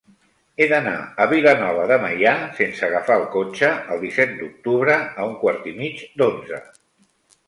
He d'anar a Vilanova de Meià sense agafar el cotxe el disset d'octubre a un quart i mig d'onze.